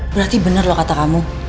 berarti benar loh kata kamu